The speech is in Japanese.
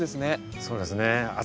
そうですね。